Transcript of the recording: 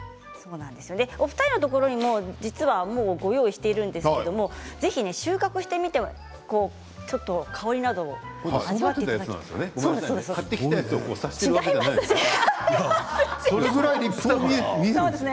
お二人のところにもご用意しているんですけど収穫してみて香りなどを味わっていただきたいです。